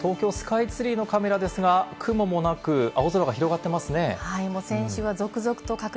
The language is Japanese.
こちら東京スカイツリーのカメラですが、雲もなく、青空が広がってますね。